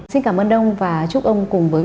xin cảm ơn ông và chúc ông cùng với